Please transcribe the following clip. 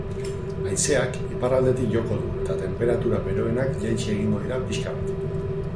Haizeak iparraldetik joko du eta tenperatura beroenak jaitsi egingo dira pixka bat.